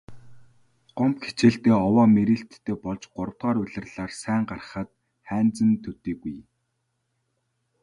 Гомбо хичээлдээ овоо мэрийлттэй болж гуравдугаар улирлаар сайн гарахад Хайнзан төдийгүй ангийнхан нь баярлажээ.